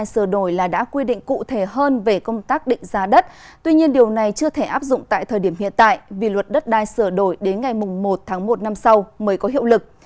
xác định giá đất tuy nhiên điều này chưa thể áp dụng tại thời điểm hiện tại vì luật đất đai sửa đổi đến ngày một tháng một năm sau mới có hiệu lực